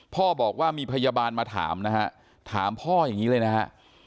พ่อบอกว่ามีพยาบาลมาถามนะฮะถามพ่ออย่างนี้เลยนะฮะ